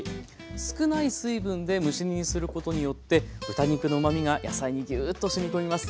少ない水分で蒸し煮にすることによって豚肉のうまみが野菜にギューッとしみ込みます。